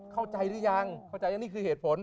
เข้าใจหรือยังเข้าใจว่านี่คือเหตุผล